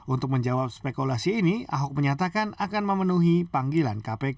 untuk menjawab spekulasi ini ahok menyatakan akan memenuhi panggilan kpk